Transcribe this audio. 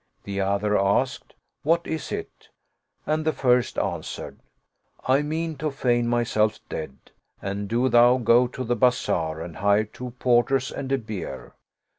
The other asked, "What is it?" and the first answered, " I mean to feign myself dead and do thou go to the bazar and hire two porters and a bier.